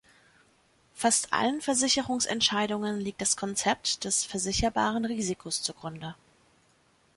Fast allen Versicherungsentscheidungen liegt das Konzept des versicherbaren Risikos zugrunde.